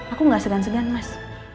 aku gak segan segan mas